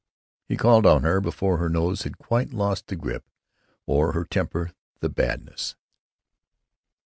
He called on her before her nose had quite lost the grippe or her temper the badness.